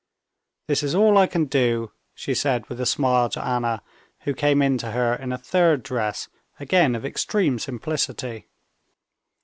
"This is all I can do," she said with a smile to Anna, who came in to her in a third dress, again of extreme simplicity.